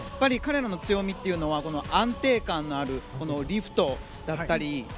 彼らの強みというのは安定感のあるリフトだったり